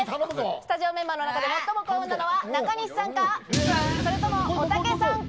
スタジオメンバーの中で最も幸運なのは中西さんか、それとも、おたけさんか？